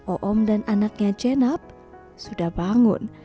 o'om dan anaknya cenab sudah bangun